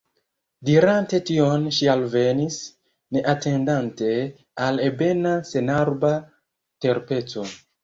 Dirante tion, ŝi alvenis, neatendante, al ebena senarba terpeco.